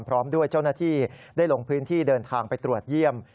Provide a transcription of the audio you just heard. พร้อมด้วยเจ้าหน้าที่ได้ลงพื้นที่เดินทางไปตรวจเยี่ยม